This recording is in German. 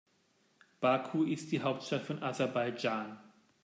Baku ist die Hauptstadt von Aserbaidschan.